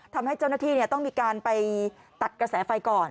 ทำให้เจ้าหน้าที่ต้องมีการไปตัดกระแสไฟก่อน